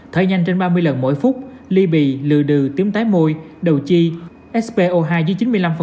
thở nhanh trên ba mươi lần mỗi phút ly bì lừa đừếm tái môi đầu chi spo hai dưới chín mươi năm